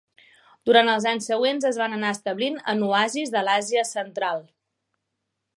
Durant els anys següents es van anar establint en oasis de l'Àsia Central.